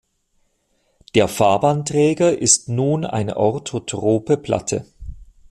Der Fahrbahnträger ist nun eine orthotrope Platte.